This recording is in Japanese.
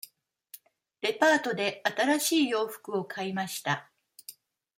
デパートで新しい洋服を買いました。